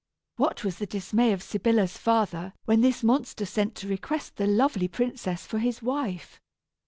What was the dismay of Sybilla's father when this monster sent to request the lovely princess for his wife!